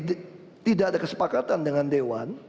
tidak ada kesepakatan dengan dewan